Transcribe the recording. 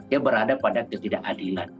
ya berada pada ketidakadilan